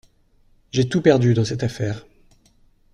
J’ai tout perdu dans cette affaire.